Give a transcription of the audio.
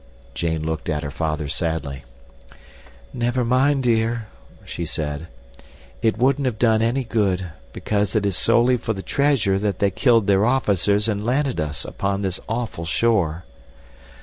Jane looked at her father sadly. "Never mind, dear," she said. "It wouldn't have done any good, because it is solely for the treasure that they killed their officers and landed us upon this awful shore."